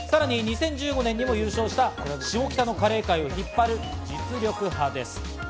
さらに２０１５年にも優勝した下北のカレー界を引っ張る実力派です。